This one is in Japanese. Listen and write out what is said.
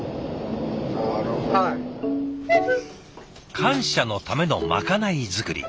感謝のためのまかない作り。